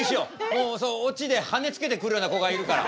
もうオチで羽つけてくるような子がいるから。